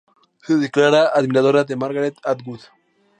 Se declara admiradora de Margaret Atwood.